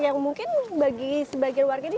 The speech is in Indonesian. yang mungkin bagi sebagian warga ini